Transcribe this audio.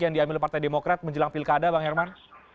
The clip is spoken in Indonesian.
yang diambil partai demokrat menjelang pilkada bang herman